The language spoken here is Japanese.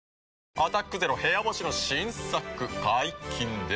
「アタックＺＥＲＯ部屋干し」の新作解禁です。